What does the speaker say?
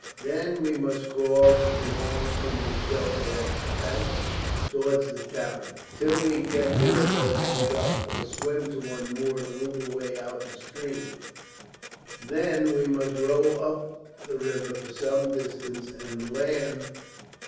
"Then we must crawl along under the shelter of its banks towards the town, till we get to a boat hauled up, or swim to one moored a little way out in the stream. Then we must row up the river for some distance, and land."